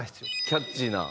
キャッチーな。